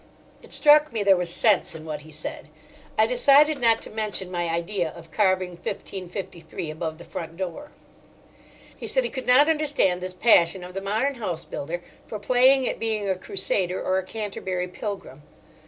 It struck me there was sense in what he said. I decided not to mention my idea of carving 1553 above the front door. He said he could not understand this passion of the modern house builder for playing at being a Crusader or a Canterbury Pilgrim.